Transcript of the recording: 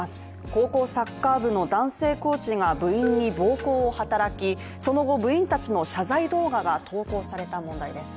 高校サッカー部の男性コーチが部員に暴行を働き、その後部員たちの謝罪動画が投稿された問題です